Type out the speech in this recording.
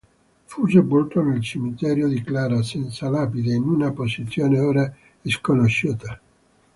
Fu sepolto nel cimitero di Klara senza lapide, in una posizione ora sconosciuta.